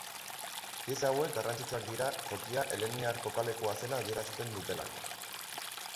Pieza hauek garrantzitsuak dira tokia heleniar kokalekua zela adierazten dutelako.